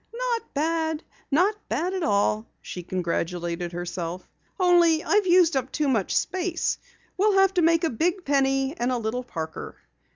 "Not bad, not bad at all," she congratulated herself. "Only I've used up too much space. We'll have to have a big Penny and a little Parker."